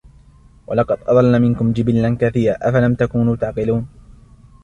ولقد أضل منكم جبلا كثيرا أفلم تكونوا تعقلون